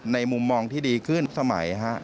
มุมมองที่ดีขึ้นสมัยฮะ